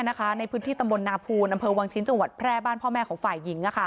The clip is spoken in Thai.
ในพื้นที่ตมบลนาภูดวงชิณจังหวัดแพร่บ้านพ่อแม่ของฝ่ายหญิง